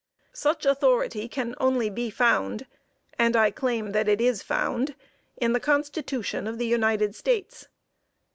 Such authority can only be found, and I claim that it is found in the constitution of the United States.